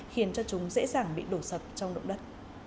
khiến cho chúng dễ dàng bị đổ sập trong động đất